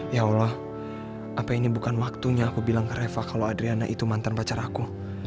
ya allah apa ini bukan waktunya aku bilang ke reva kalau adriana itu mantan pacar aku